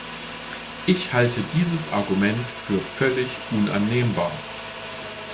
Ich halte dieses Argument für völlig unannehmbar.